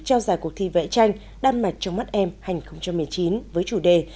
trao giải cuộc thi vẽ tranh đan mạch trong mắt em hành một mươi chín với chủ đề